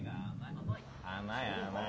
甘い甘い。